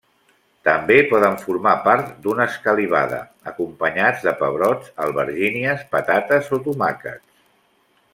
També poden formar part d'una escalivada, acompanyats de pebrots, albergínies, patates o tomàquets.